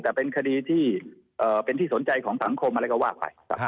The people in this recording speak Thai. แต่เป็นคดีที่เป็นที่สนใจของสังคมอะไรก็ว่าไป